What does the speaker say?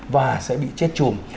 và sẽ bị chết chùm